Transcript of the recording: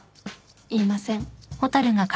言いません。